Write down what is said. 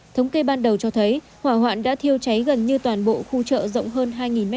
thống kê ban đầu cho thấy hỏa hoạn đã thiêu cháy gần như toàn bộ khu chợ rộng hơn hai m hai